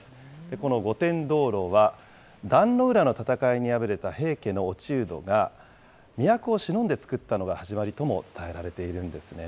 この御殿灯籠は壇ノ浦の戦いに敗れた平家の落人が、都をしのんで作ったのが始まりとも伝えられているんですね。